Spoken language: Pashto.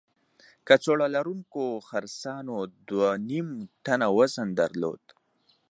کڅوړه لرونکو خرسانو دوه نیم ټنه وزن درلود.